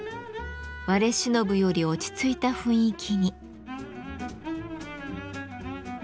割れしのぶより落ち着いた雰囲気に。